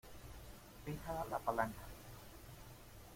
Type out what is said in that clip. fija la palanca.